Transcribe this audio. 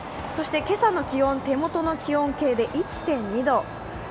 そして今朝の気温手元の気温計で１．２度。